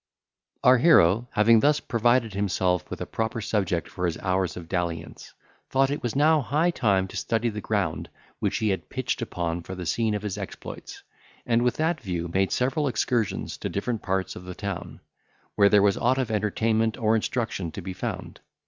Our hero, having thus provided himself with a proper subject for his hours of dalliance, thought it was now high time to study the ground which he had pitched upon for the scene of his exploits, and with that view made several excursions to different parts of the town, where there was aught of entertainment or instruction to be found.